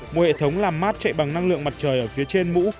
một hệ thống làm mát chạy bằng năng lượng mặt trời ở phía trên mũ